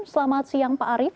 selamat siang pak arief